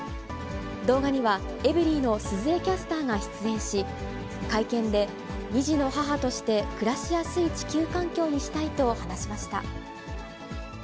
動画には、エブリィの鈴江キャスターが出演し、会見で、２児の母として暮らしやすい地球環境にしたいと話しました。